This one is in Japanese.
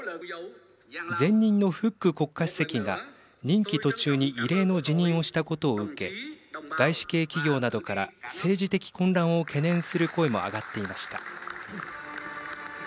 前任のフック国家主席が任期途中に異例の辞任をしたことを受け外資系企業などから政治的混乱を懸念する声も上がっていました。